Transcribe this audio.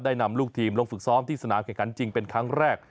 นำลูกทีมลงฝึกซ้อมที่สนามแข่งขันจริงเป็นครั้งแรก